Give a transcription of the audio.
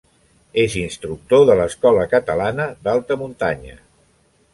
És instructor de l’Escola Catalana d’Alta Muntanya.